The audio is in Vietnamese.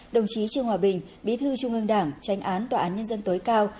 đồng chí trương hòa bình bí thư trung ương đảng tranh án tòa án nhân dân tối cao